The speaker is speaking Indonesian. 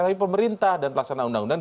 tapi pemerintah dan pelaksana undang undang